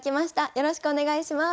よろしくお願いします。